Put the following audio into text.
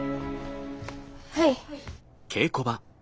はい。